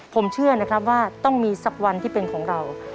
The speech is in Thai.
ผมเชื่อนะครับว่าต้องมีสักวันที่เป็นของเรา